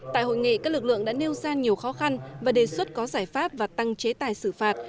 tại hội nghị các lực lượng đã nêu ra nhiều khó khăn và đề xuất có giải pháp và tăng chế tài xử phạt